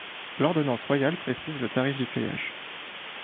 L'ordonnance royale précise le tarif du péage.